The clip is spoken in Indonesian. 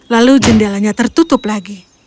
lalu jendelanya tertutup lagi